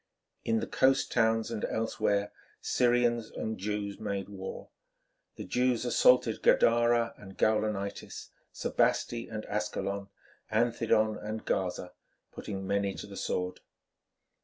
In the coast towns and elsewhere Syrians and Jews made war. The Jews assaulted Gadara and Gaulonitis, Sebaste and Ascalon, Anthedon and Gaza, putting many to the sword.